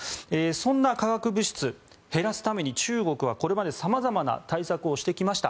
そんな化学物質を減らすために中国はこれまで様々な対策をしてきました。